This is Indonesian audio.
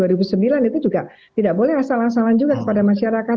itu juga tidak boleh asal asalan juga kepada masyarakat